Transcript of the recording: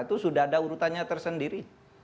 itu sudah ada urutannya tersendiri